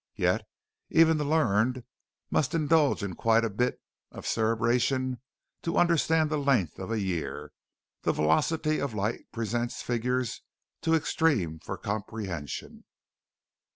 Yet even the learned must indulge in quite a bit of cerebration to understand the length of a year, the velocity of light presents figures too extreme for comprehension.